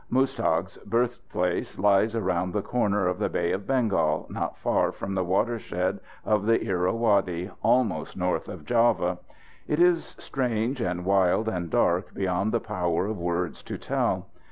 Muztagh's birthplace lies around the corner of the Bay of Bengal, not far from the watershed of the Irawadi, almost north of Java. It is strange and wild and dark beyond the power of words to tell.